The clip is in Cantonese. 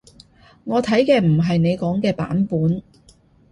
我睇嘅唔係你講嘅版本